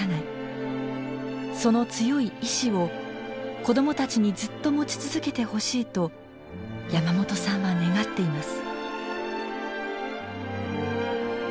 その強い意志を子どもたちにずっと持ち続けてほしいと山本さんは願っています。